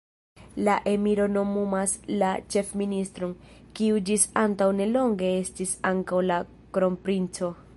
La emiro nomumas la ĉefministron, kiu ĝis antaŭ nelonge estis ankaŭ la kronprinco.